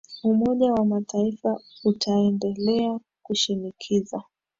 umoja wa mataifa utaendelea kushinikiza